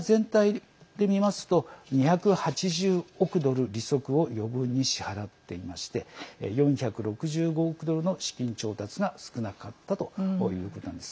アフリカ全体で見ますと２８０億ドル利息を余分に支払っていまして４６５億ドルの資金調達が少なかったということなんです。